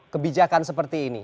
kebijakan seperti ini